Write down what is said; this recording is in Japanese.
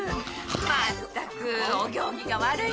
まったくお行儀が悪いんだから！